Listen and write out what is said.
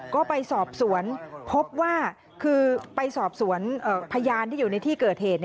ก็ไปสอบสวนพบว่าคือไปสอบสวนพยานที่อยู่ในที่เกิดเหตุ